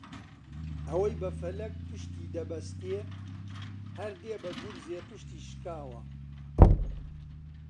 ئەوەی بە فەلەک پشتیدەبەستێ هەر دێ بە گورزێ پشتی شکاوە